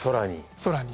空に。